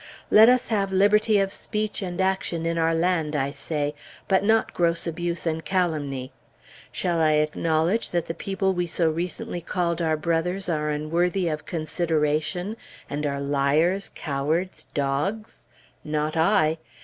Let us have liberty of speech and action in our land, I say, but not gross abuse and calumny. Shall I acknowledge that the people we so recently called our brothers are unworthy of consideration, and are liars, cowards, dogs? Not I!